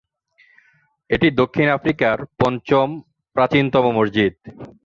এটি দক্ষিণ আফ্রিকার পঞ্চম প্রাচীনতম মসজিদ।